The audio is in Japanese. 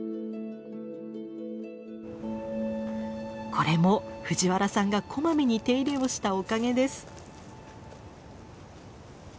これも藤原さんがこまめに手入れをしたおかげです。